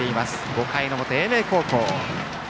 ５回の表、英明高校の攻撃。